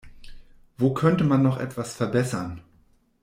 Wo könnte man noch etwas verbessern?